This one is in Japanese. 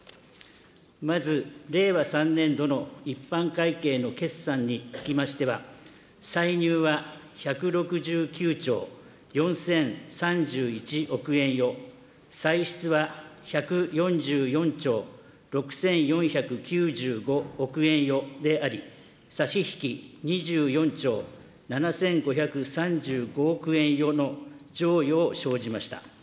まず令和３年度の一般会計の決算につきましては、歳入は１６９兆４０３１億円余、歳出は１４４兆６４９５億円余であり、差し引き２４兆７５３５億円余の剰余を生じました。